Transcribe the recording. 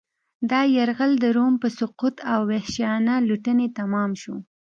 دا یرغل د روم په سقوط او وحشیانه لوټنې تمام شو